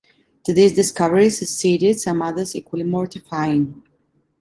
To this discovery succeeded some others equally mortifying.